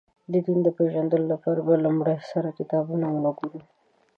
د دین د پېژندلو لپاره به له لومړي سره کتابونه ونه ګورو.